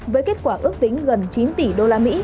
với kết quả ước tính gần chín tỷ usd